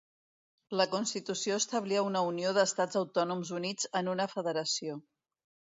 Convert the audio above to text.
La constitució establia una unió d'estats autònoms units en una federació.